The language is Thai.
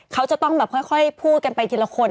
เขาจะต้องแบบค่อยพูดกันไปทีละคน